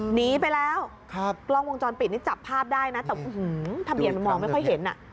หนีไปแล้วครับกล้องวงจรปิดนี่จับภาพได้นะแต่ทะเบียนมันมองไม่ค่อยเห็นอ่ะ